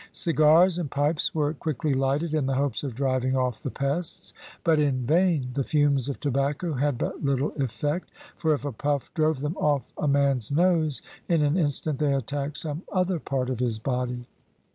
Cigars and pipes were quickly lighted, in the hopes of driving off the pests, but in vain; the fumes of tobacco had but little effect, for if a puff drove them off a man's nose, in an instant they attacked some other part of his body.